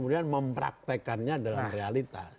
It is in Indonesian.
mempraktekannya dengan realitas